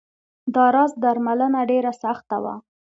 دا راز درملنه ډېره سخته وه.